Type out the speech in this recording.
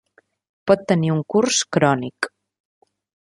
Pot tenir un curs crònic.